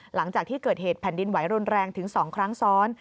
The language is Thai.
หลังจากที่เกิดเหตุแผ่นดินไหวรุนแรงถึง๒ครั้งซ้อน